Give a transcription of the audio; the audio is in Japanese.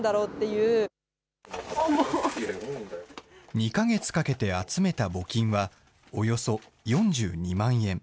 ２か月かけて集めた募金は、およそ４２万円。